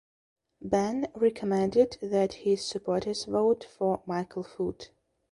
Benn recommended that his supporters vote for Michael Foot.